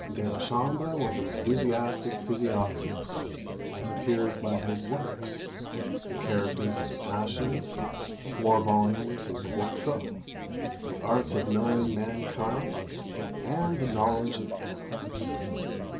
De la Chambre was an enthusiastic physiognomist, as appears by his works; "The Characters of the Passions," four volumes in quarto; "The Art of Knowing Mankind;" and "The Knowledge of Animals."